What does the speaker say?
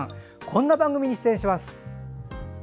こんな番組に出演します。